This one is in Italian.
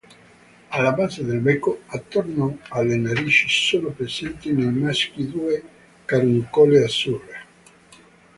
Alla base del becco, attorno alle narici, sono presenti nei maschi due caruncole azzurre.